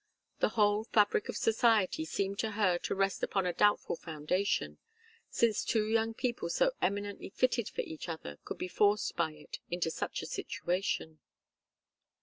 The whole fabric of society seemed to her to rest upon a doubtful foundation, since two young people so eminently fitted for each other could be forced by it into such a situation.